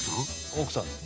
奥さんです。